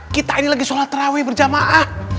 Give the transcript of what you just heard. kita ini lagi sholat terawih berjamaah